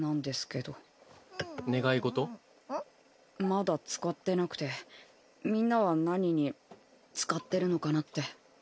まだ使ってなくてみんなは何に使ってるのかなって。